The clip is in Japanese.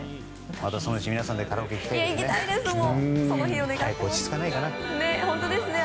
またそのうち皆さんでカラオケ行きたいですね。